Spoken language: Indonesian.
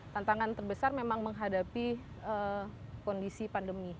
tantangan terbesar memang menghadapi kondisi pandemi